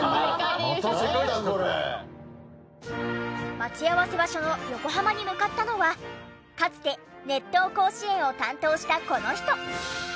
待ち合わせ場所の横浜に向かったのはかつて『熱闘甲子園』を担当したこの人。